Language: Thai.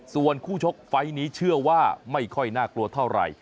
ส่วนคู่ชกไฟล์นี้เชื่อว่าไม่ค่อยน่ากลัวเท่าไหร่